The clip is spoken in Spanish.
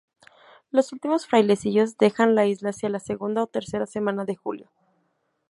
Los últimos frailecillos dejan la isla hacia la segunda o tercera semanas de julio.